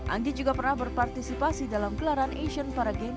anggi juga pernah berpartisipasi dalam kelaran asian paragames dua ribu delapan belas